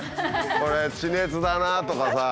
これ地熱だなとかさ。